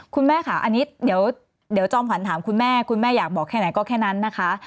คุณแม่ค่ะอันนี้เดี๋ยวจอมขวัญถามคุณแม่คุณแม่อยากบอกแค่ไหนก็แค่นั้นนะคะ